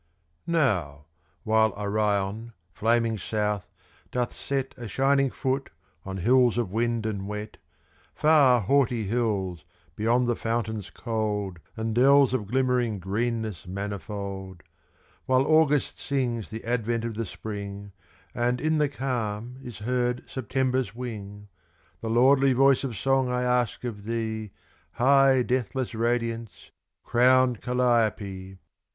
Now, while Orion, flaming south, doth set A shining foot on hills of wind and wet Far haughty hills beyond the fountains cold And dells of glimmering greenness manifold While August sings the advent of the Spring, And in the calm is heard September's wing, The lordly voice of song I ask of thee, High, deathless radiance crowned Calliope!